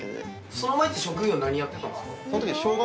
その前って職業何やってたんですか？